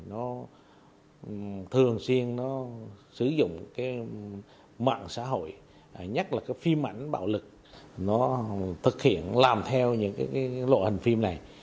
nó thường xuyên sử dụng mạng xã hội nhất là phim ảnh bạo lực nó thực hiện làm theo những lộ hình phim này